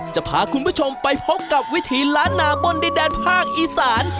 จะพาคุณผู้ชมไปพบกับวิถีล้านนาบนดินแดนภาคอีสาน